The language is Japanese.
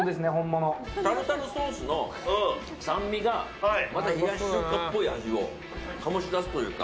タルタルソースの酸味がまた冷やし中華っぽい味を醸し出すというか。